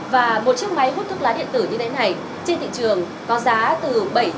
và một chiếc máy hút thuốc lá điện tử như thế này trên thị trường có giá từ bảy trăm linh đến hai triệu rưỡi một chiếc